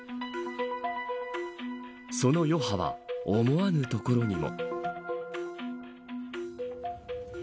その余波は、思わぬところにも。